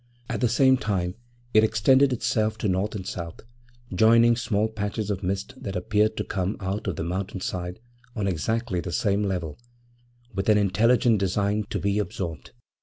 At the same time it extended itself to north and south, joining small patches of mist that appeared to come out of the mountain side on exactly the same level, with an intelligent design to be absorbed.